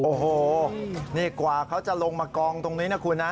โอ้โหนี่กว่าเขาจะลงมากองตรงนี้นะคุณนะ